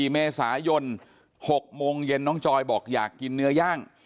๔เมษายน๖โมงเย็นน้องจอยบอกอยากกินเนื้อย่าง